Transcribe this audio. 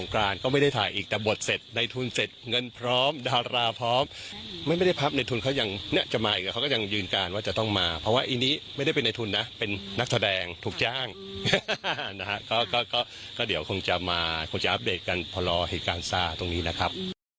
ก็เดี๋ยวคงจะมาคงจะอัปเดตกันพอรอให้การซ่าตรงนี้นะครับ